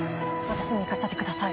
私に行かせてください